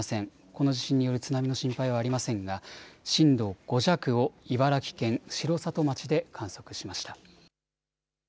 この地震による津波の心配はありませんが震度５弱を茨城県城里町で観測しました。